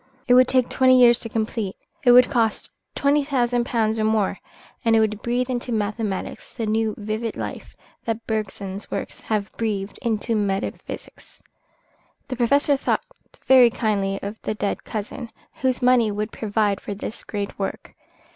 It would take twenty years to complete, it would cost twenty thousand pounds or more, and it would breathe into mathematics the new, vivid life that Bergson's works have breathed into metaphysics. The Professor thought very kindly of the dead cousin, whose money would provide for this great work.